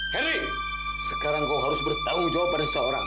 helling sekarang kau harus bertanggung jawab pada seorang